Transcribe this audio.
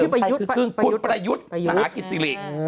เฉลิมชัยคือกึ้งคุณประยุทธ์มหากิจศิริ